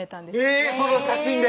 えぇっその写真で？